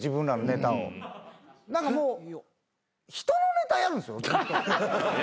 何かもう人のネタやるんですよ。